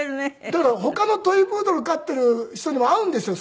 だから他のトイプードルを飼っている人にも会うんですよ